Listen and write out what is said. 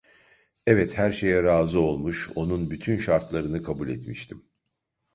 Evet, her şeye razı olmuş, onun bütün şartlarını kabul etmiştim.